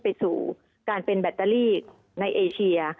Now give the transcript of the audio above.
ไปสู่การเป็นแบตเตอรี่ในเอเชีย